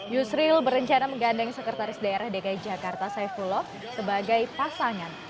yusril berencana menggandeng sekretaris daerah dki jakarta saifullah sebagai pasangan